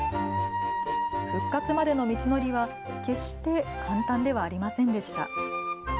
復活までの道のりは決して簡単ではありませんでした。